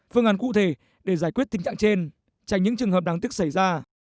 phương án cụ thể để giải quyết tình trạng trên tránh những trường hợp đáng tiếc xảy ra